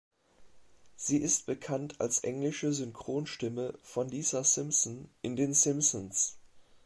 Sie ist bekannt als englische Synchronstimme von Lisa Simpson in den "Simpsons".